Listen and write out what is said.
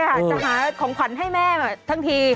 จะหาของขวัญให้แม่ทั้งที